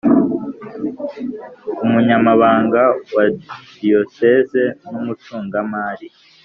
Umunyamabanga wa Diyoseze n umucungamari